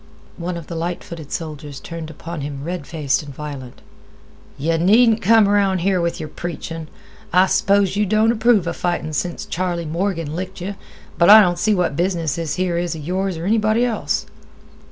One of the light footed soldiers turned upon him red faced and violent. "Yeh needn't come around here with yer preachin'. I s'pose yeh don't approve 'a fightin' since Charley Morgan licked yeh; but I don't see what business this here is 'a yours or anybody else."